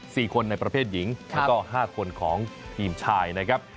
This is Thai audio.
สี่คนในประเภทหญิงแล้วก็ห้าคนของทีมชายนะครับ